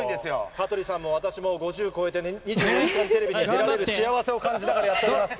羽鳥さんも私も５０超えて、２４時間テレビに出られる幸せを感じながらやっております。